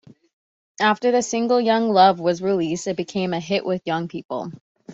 After the single "Young Love" was released, it became a hit with young people.